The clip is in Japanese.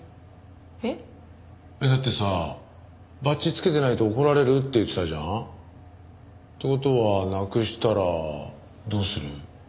えっ？だってさバッジつけてないと怒られるって言ってたじゃん？って事はなくしたらどうする？